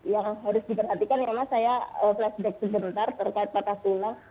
yang harus diperhatikan ya mas saya flashback sebentar terkait patah tulang